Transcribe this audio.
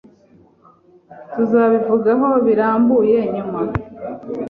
Tuzabivugaho birambuye nyuma.